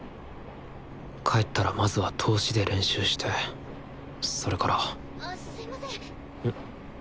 帰ったらまずは通しで練習してそれからあすいません。